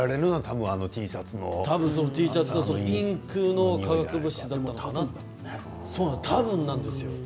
たぶんそのＴシャツのインクの化学物質だったのかなとたぶんなんですよ。